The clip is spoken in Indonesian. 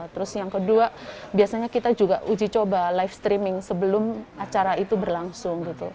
terus yang kedua biasanya kita juga uji coba live streaming sebelum acara itu berlangsung gitu